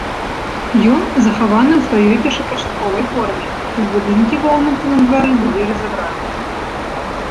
Ён захаваны ў сваёй першапачатковай форме, хоць будынкі ва ўнутраным двары былі разабраныя.